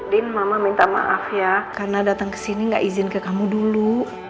din mama minta maaf ya karena datang ke sini gak izin ke kamu dulu